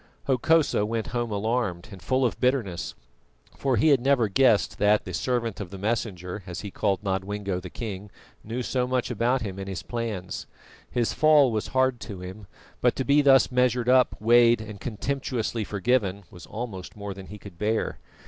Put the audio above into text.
Hokosa went home alarmed and full of bitterness, for he had never guessed that the "servant of the Messenger," as he called Nodwengo the King, knew so much about him and his plans. His fall was hard to him, but to be thus measured up, weighed, and contemptuously forgiven was almost more than he could bear.